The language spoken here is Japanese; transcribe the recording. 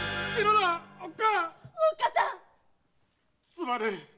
すまねえ。